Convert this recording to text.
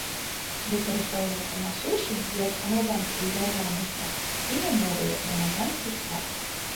Выкарыстоўваецца на сушы як грамадзянскі і дзяржаўны сцяг і на моры як грамадзянскі сцяг.